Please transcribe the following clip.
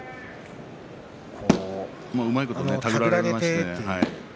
うまいこと手繰られましたね。